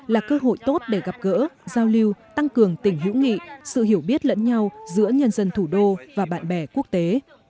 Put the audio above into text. là cơ hội tốt để gặp gỡ giao lưu tăng cường tình hữu nghị sự hiểu biết lẫn nhau giữa nhân dân thủ đô và bạn bè quốc tế